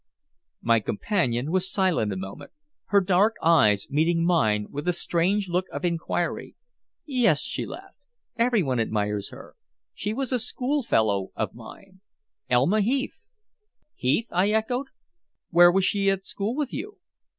My companion was silent a moment, her dark eyes meeting mine with a strange look of inquiry. "Yes," she laughed, "everyone admires her. She was a schoolfellow of mine Elma Heath." "Heath!" I echoed. "Where was she at school with you?"